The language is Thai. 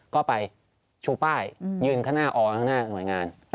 ก็ไปชูป้ายยืนข้างหน้าอข้างหน้าหน่วยงาน